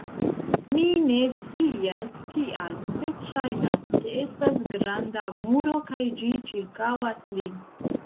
Mi ne scias kial sed ŝajnas, ke estas granda muro kaj ĝi ĉirkaŭas lin